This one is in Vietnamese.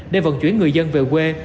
để vận chuyển người dân về quê